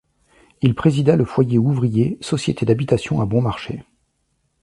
Il présida le Foyer ouvrier, société d'habitations à bon marché.